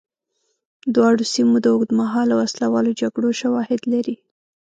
دواړو سیمو د اوږدمهاله وسله والو جګړو شواهد لري.